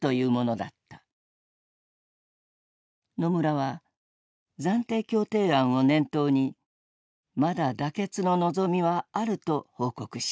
野村は暫定協定案を念頭にまだ妥結の望みはあると報告した。